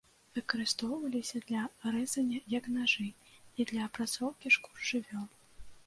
Выкарыстоўваліся для рэзання, як нажы, і для апрацоўкі шкур жывёл.